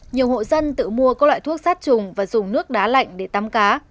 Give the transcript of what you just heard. nhiều hộ dân tự mua các loại thuốc sát trùng và dùng nước đá lạnh để tắm cá